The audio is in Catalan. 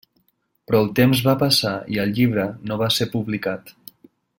Però el temps va passar i el llibre no va ser publicat.